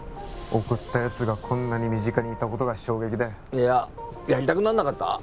贈ったやつがこんなに身近にいたことが衝撃だいややりたくなんなかった？